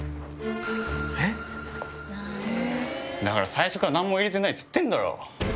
だから最初から何も入れてないっつってんだろ！